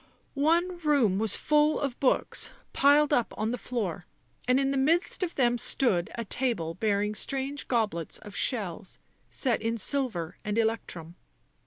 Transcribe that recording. One room was full of books, piled up on the floor, and in the midst of them stood a table bearing strange goblets of shells set in silver and electrum.